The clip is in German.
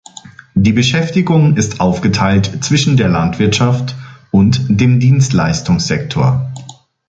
Die Beschäftigung ist aufgeteilt zwischen der Landwirtschaft und dem Dienstleistungssektor.